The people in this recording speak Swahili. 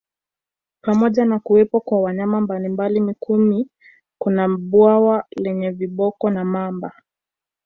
Pamoja na kuwepo kwa wanyama mbalimbali Mikumi kuna bwawa lenye viboko na mamba